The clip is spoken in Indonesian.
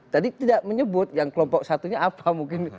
tadi tidak menyebut yang kelompok satunya apa mungkin